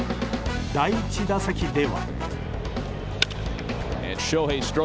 第１打席では。